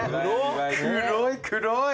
黒い黒い！